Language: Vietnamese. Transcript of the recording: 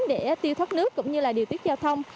để tiêu thoát nước cũng như là điều tiết giao thông